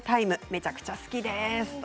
めちゃくちゃ好きです。